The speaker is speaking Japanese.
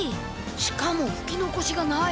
しかもふきのこしがない。